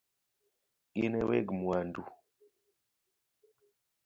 Gin e weg mwandu